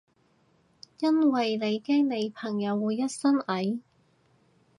因為你驚你朋友會一身蟻？